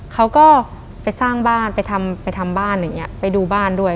เขาก็ไปสร้างบ้านไปทำไปทำบ้านอย่างนี้ไปดูบ้านด้วย